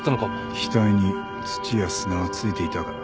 額に土や砂が付いていたか？